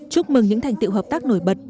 chúc mừng những thành tiệu hợp tác nổi bật